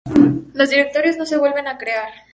Los directorios no se vuelven a crear.